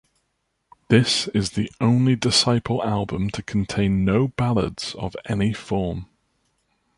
This is the only Disciple album to contain no Ballads of any form.